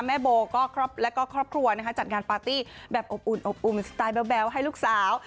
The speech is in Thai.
แม่โบและก็ครอบครัวจัดการปาร์ตี้แบบอบอุ่นสไตล์แบวให้ลูกสาว